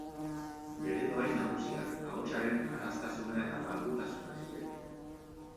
Bere dohain nagusiak ahotsaren araztasuna eta malgutasuna ziren.